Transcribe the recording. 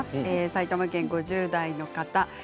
埼玉県５０代の方です。